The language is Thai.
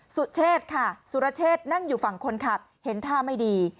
สุเชษค่ะสุรเชษนั่งอยู่ฝั่งคนขับเห็นท่าไม่ดี